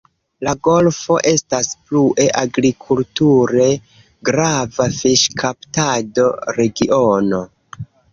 La golfo estas plue agrikulture grava fiŝkaptado-regiono.